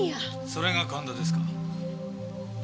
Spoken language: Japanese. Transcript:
それが神田ですか。